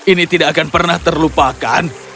ini tidak akan pernah terlupakan